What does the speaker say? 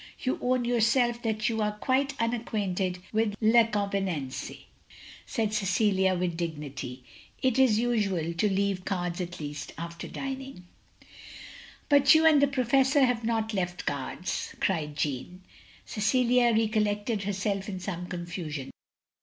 you own yourself that you are quite unacquainted with les convenances/* said Cecilia, with dignity. "It is usual to leave cards, at least, after dining. "" But you and the Prcrfessor have not left cards, " cried Jeanne. Cecilia recollected herself in some confusion.